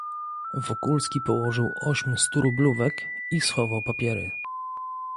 "Wokulski położył ośm sturublówek i schował papiery."